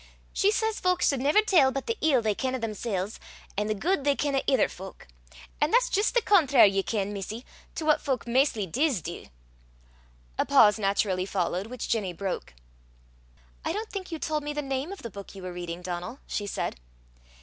She says fowk sud never tell but the ill they ken o' themsel's, an' the guid they ken o' ither fowk; an' that's jist the contrar', ye ken, missie, to what fowk maist dis dee." A pause naturally followed, which Ginny broke. "I don't think you told me the name of the book you were reading, Donal," she said.